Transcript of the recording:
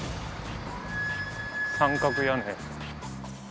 三角屋根。